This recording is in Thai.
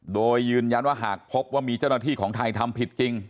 โดยยืนยันว่าหากพบว่ามีเจ้าหน้าที่ของไทยทำผิดจริง